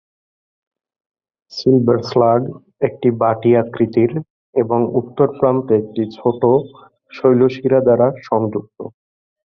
Silberschlag একটি বাটি আকৃতির এবং উত্তর প্রান্তে একটি ছোট শৈলশিরা দ্বারা সংযুক্ত।